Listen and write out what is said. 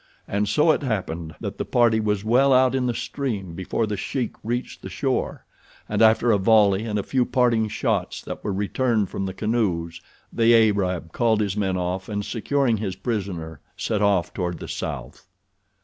And so it happened that the party was well out in the stream before The Sheik reached the shore, and after a volley and a few parting shots that were returned from the canoes the Arab called his men off and securing his prisoner set off toward the South.